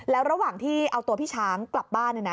แล้วระหว่างที่เอาตัวพี่ช้างกลับบ้าน